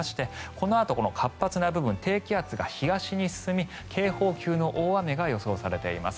このあと、活発な部分低気圧が東に進み警報級の大雨が予想されています。